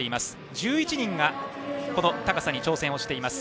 １１人がこの高さに挑戦しています。